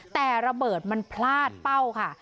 แต่ระเบิดมันพลาดเป้าค่ะ